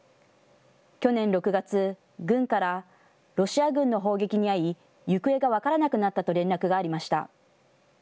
去年６月、軍からロシア軍の砲撃に遭い、行方が分からなくなったと連絡がありました。